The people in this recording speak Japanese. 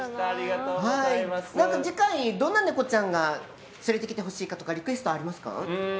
次回、どんなネコちゃんを連れてきてほしいかとかリクエストありますか？